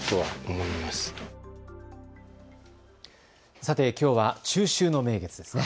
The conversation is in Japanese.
さて、きょうは中秋の名月です。